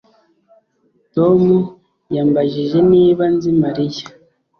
Tom yambajije niba nzi Mariya